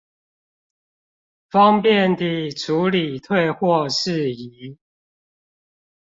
方便地處理退貨事宜